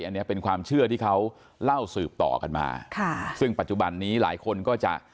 อันนี้เป็นความเชื่อที่เขาเล่าสืบต่อกันมาค่ะซึ่งปัจจุบันนี้หลายคนก็จะ